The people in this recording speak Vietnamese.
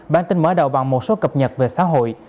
bản tin mở đầu bằng một số cập nhật về xã hội